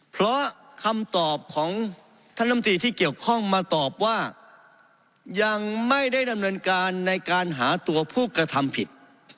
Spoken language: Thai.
เพราะคำตอบของท่านลำตีที่เกี่ยวข้องมาตอบว่ายังไม่ได้ดำเนินการในการหาตัวผู้กระทำผิด